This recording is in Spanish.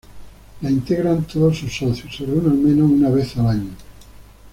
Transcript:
La integran todos sus socios y se reúne al menos una vez al año.